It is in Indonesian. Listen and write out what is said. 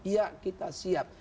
iya kita siap